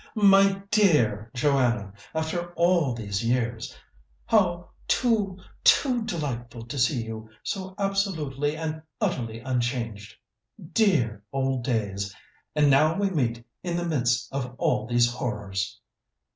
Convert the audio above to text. "My dear Joanna! After all these years ... how too, too delightful to see you so absolutely and utterly unchanged! Dear old days! And now we meet in the midst of all these horrors!"